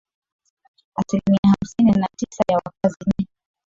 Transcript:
asilimia hamsini na tisa ya wakazi dini